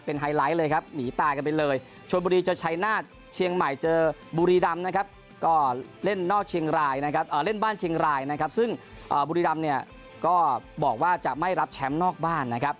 เป็นไฮไลท์เลยครับหนีตายกันไปเลย